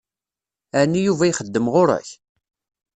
Ɛni Yuba ixeddem ɣur-k?